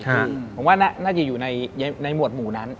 ผมว่าน่าจะอยู่ในหมวดหมู่นั้น